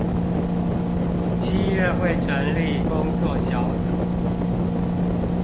七月會成立工作小組